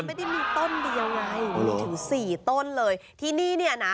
ไม่ได้มีต้นเดียวไงถึงสี่ต้นเลยที่นี่เนี่ยนะ